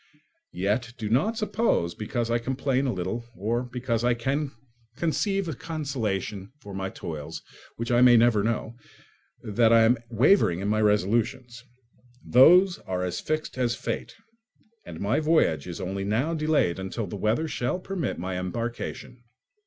Yet do not suppose, because I complain a little or because I can conceive a consolation for my toils which I may never know, that I am wavering in my resolutions. Those are as fixed as fate, and my voyage is only now delayed until the weather shall permit my embarkation.